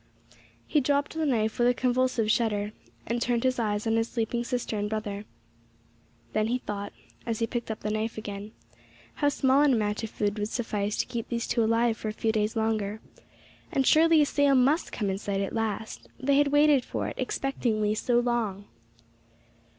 He dropped the knife with a convulsive shudder, and turned his eyes on his sleeping sister and brother. Then he thought, as he picked up the knife again, how small an amount of food would suffice to keep these two alive for a few days longer, and surely a sail must come in sight at last; they had waited for it, expectingly, so long!